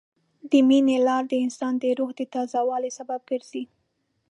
د مینې لار د انسان د روح د تازه والي سبب ګرځي.